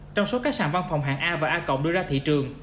trong số các sản văn phòng hạng a và a đưa ra thị trường